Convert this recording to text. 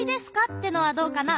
ってのはどうかな？